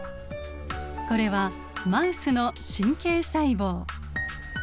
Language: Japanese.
これはマウスの神経細胞。